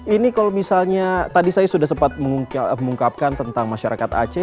ini kalau misalnya tadi saya sudah sempat mengungkapkan tentang masyarakat aceh